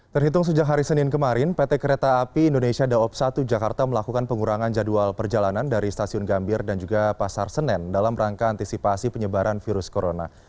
terhitung sejak hari senin kemarin pt kereta api indonesia daob satu jakarta melakukan pengurangan jadwal perjalanan dari stasiun gambir dan juga pasar senen dalam rangka antisipasi penyebaran virus corona